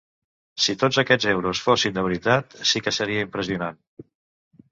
Si tots aquests euros fossin de veritat sí que seria impressionant!